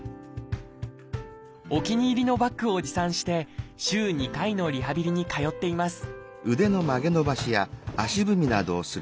お気に入りのバッグを持参して週２回のリハビリに通っています